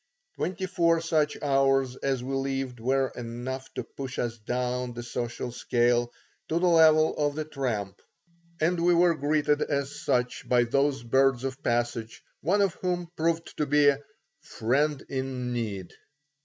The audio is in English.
Twenty four such hours as we lived were enough to push us down the social scale to the level of the tramp, and we were greeted as such by those birds of passage, one of whom proved to be a "friend in need."